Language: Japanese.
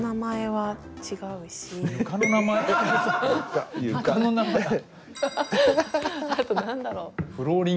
あとあと何だろう？